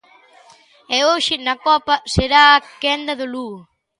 E hoxe, na Copa, será a quenda do Lugo.